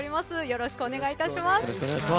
よろしくお願いします。